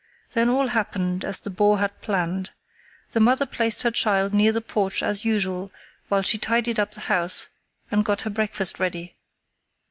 Then all happened as the boar had planned. The mother placed her child near the porch as usual while she tidied up the house and got her breakfast ready.